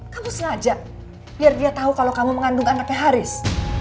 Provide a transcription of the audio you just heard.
kamu sengaja biar dia tahu kalau kamu mengandung anaknya haris